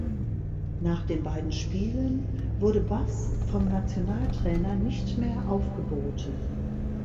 Nach den beiden Spielen wurde Bass vom Nationaltrainer nicht mehr aufgeboten.